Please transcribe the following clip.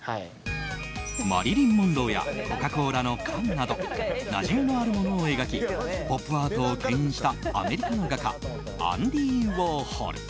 マリリン・モンローやコカ・コーラの缶などなじみのあるものを描きポップアートを牽引したアメリカの画家アンディ・ウォーホル。